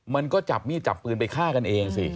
มันก็จับมีดจับปืนไปฆ่ากันเองสิ